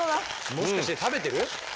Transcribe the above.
もしかして食べてる？